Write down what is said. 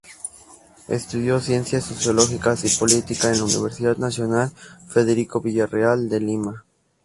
Estudió ciencias sociológicas y política en la Universidad Nacional Federico Villareal, de Lima.